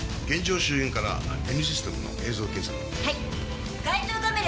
現場周辺からＮシステムの映像検索。